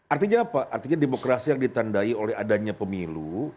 artinya apa artinya demokrasi yang ditandai oleh adanya pemilu